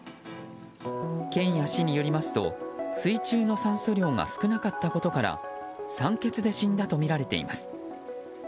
県や市によりますと水中の酸素量が少なかったことから酸欠で死んだとみられています。